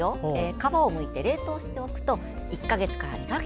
皮をむいて冷凍しておくと１か月から２か月